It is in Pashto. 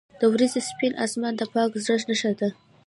• د ورځې سپین آسمان د پاک زړه نښه ده.